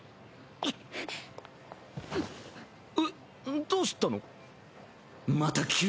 えっどうしたの？